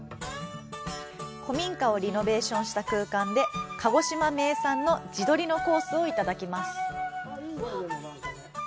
古民家をリノベーションした空間で鹿児島名産の地鶏のコースをいただきます。